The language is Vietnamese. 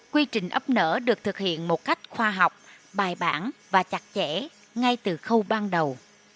quy trình ấp nở được thực hiện một cách khoa học bài bản và chặt chẽ ngay từ khâu ban đầu